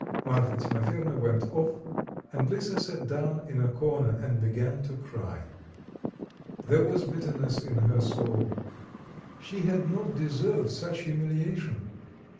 Marfa Timofyevna went off, and Lisa sat down in a corner and began to cry. There was bitterness in her soul. She had not deserved such humiliation.